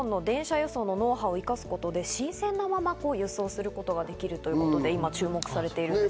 輸送のノウハウを生かすことで新鮮なまま輸送することができるということで今注目されているんです。